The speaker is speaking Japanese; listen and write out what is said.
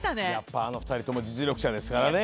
２人とも実力者ですからね。